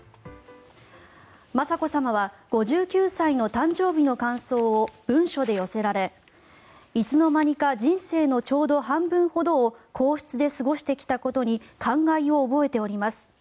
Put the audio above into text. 雅子さまは、５９歳の誕生日の感想を文書で寄せられいつの間にか人生のちょうど半分ほどを皇室で過ごしてきたことに感慨を覚えております